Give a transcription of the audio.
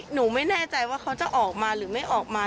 หนูไม่แน่ใจว่าเขาจะออกมาหรือไม่ออกมา